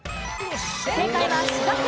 正解は滋賀県。